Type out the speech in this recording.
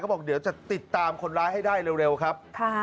บอกเดี๋ยวจะติดตามคนร้ายให้ได้เร็วครับ